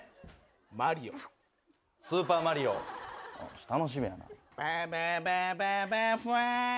マリオ、スーパーマリオ、楽しみやな。